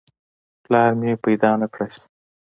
پلار مې پیدا نه کړای شو.